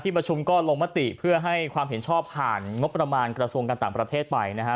ประชุมก็ลงมติเพื่อให้ความเห็นชอบผ่านงบประมาณกระทรวงการต่างประเทศไปนะฮะ